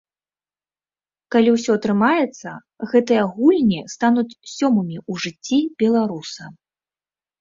Калі ўсё атрымаецца, гэтыя гульні стануць сёмымі ў жыцці беларуса.